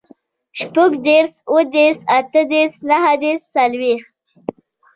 شپوږدېرس, اوهدېرس, اتهدېرس, نهدېرس, څلوېښت